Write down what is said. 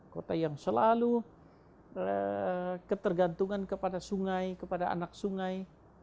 kota yang selalu ketergantungan kepada sungai kepada anak sungai